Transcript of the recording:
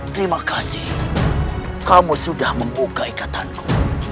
terima kasih kamu sudah membuka ikatanku